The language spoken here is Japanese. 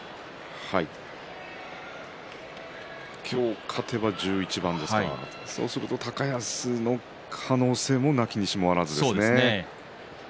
今日勝てば１１番ですかそうすると高安の可能性もなきにしもあらずですね。